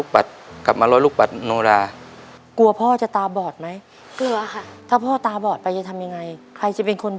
ผมก็จะล้อยลูกบัตร